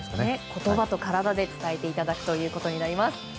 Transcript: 言葉と体で伝えていただくということになります。